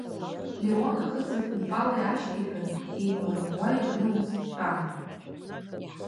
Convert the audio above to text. Леон ахыци ахәымпали аашьҭихын, еимларӷәӷәа икны ус дтәан.